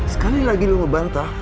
sekali lagi lu ngebantah